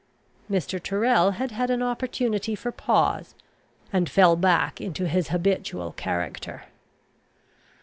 Mr. Tyrrel had had an opportunity for pause, and fell back into his habitual character.